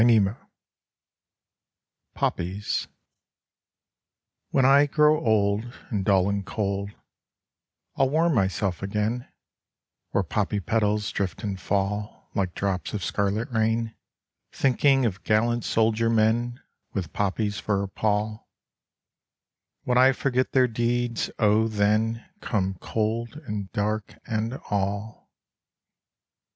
52 POPPIES When I grow old And dull and cold, I'll warm myself again, Where poppy petals drift and fall Like drops of scarlet rain, Thinking of gallant soldier men With poppies for a pall: When I forget their deeds, oh, then Come Cold, and Dark, and all